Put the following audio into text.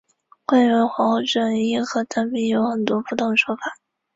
关于皇后镇因何得名有很多不同的说法。